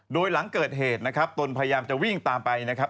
โดยหลังเกิดเหตุนะครับตนพยายามจะวิ่งตามไปนะครับ